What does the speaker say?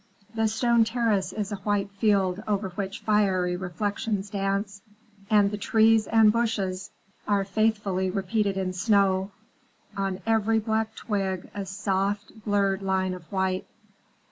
The stone terrace is a white field over which fiery reflections dance, and the trees and bushes are faithfully repeated in snow—on every black twig a soft, blurred line of white.